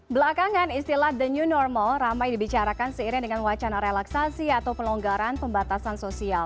belakangan istilah the new normal ramai dibicarakan seiring dengan wacana relaksasi atau pelonggaran pembatasan sosial